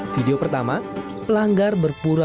video pertama pelanggar berpengalaman